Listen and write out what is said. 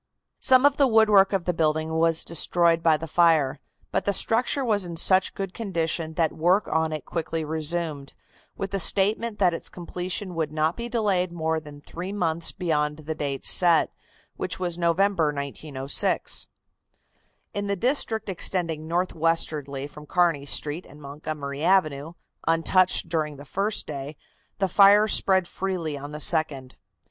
Some of the woodwork of the building was destroyed by the fire, but the structure was in such good condition that work on it was quickly resumed, with the statement that its completion would not be delayed more than three months beyond the date set, which was November, 1906. In the district extending northwestwardly from Kearney Street and Montgomery Avenue, untouched during the first day, the fire spread freely on the second.